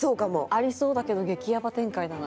ありそうだけど激やば展開だな。